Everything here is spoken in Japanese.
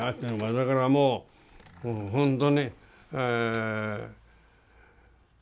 だからもう本当に。